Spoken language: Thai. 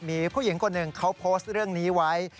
มีผู้หญิงคนหนึ่งเขาโพสต์เรื่องนี้ไว้